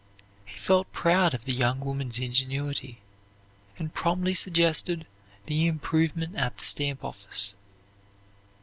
He felt proud of the young woman's ingenuity, and promptly suggested the improvement at the stamp office.